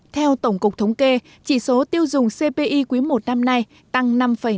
theo tổng cục thống kê chỉ số tiêu dùng cpi quý i năm nay tăng năm năm mươi sáu